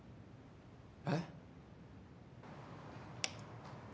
えっ？